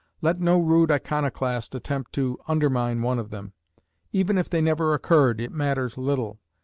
Let no rude iconoclast attempt to undermine one of them. Even if they never occurred, it matters little.